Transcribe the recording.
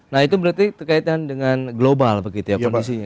nah itu berarti terkaitan dengan global begitu ya kondisinya